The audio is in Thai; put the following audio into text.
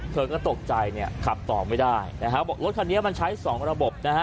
เธอก็ตกใจเนี่ยขับต่อไม่ได้นะฮะบอกรถคันนี้มันใช้สองระบบนะฮะ